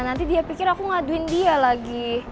nanti dia pikir aku ngaduin dia lagi